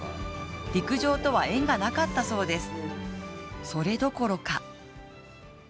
陸上とは縁がなかったそうです。